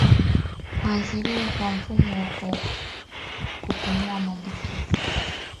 kuathiriwa kwa mfumo wa kupumua maambukizi au ushambulizi wa ngozi madonda ya miguu midomo